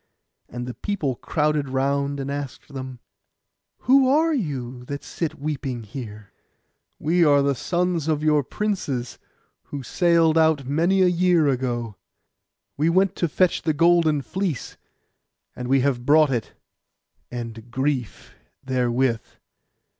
And the people crowded round, and asked them 'Who are you, that you sit weeping here?' 'We are the sons of your princes, who sailed out many a year ago. We went to fetch the golden fleece, and we have brought it, and grief therewith.